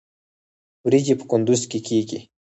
وریجې په کندز کې کیږي